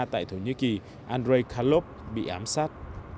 tại thổ nhĩ kỳ andrei kalov bị ám sát